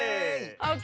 ＯＫ